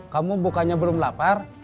kamu bukannya belum lapar